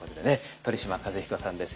鳥嶋和彦さんです。